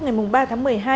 ngày ba tháng một mươi hai